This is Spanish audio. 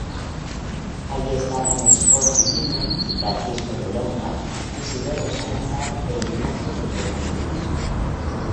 Allí estaban Espoz y Mina, Francisco de Longa, Isidoro Salazar e Ignacio de Cuevillas.